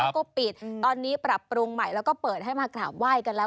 ก็ปิดตอนนี้ปรับปรุงใหม่แล้วก็เปิดให้มากราบไหว้กันแล้ว